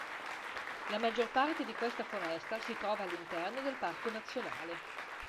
La maggior parte di questa foresta si trova all'interno del parco nazionale.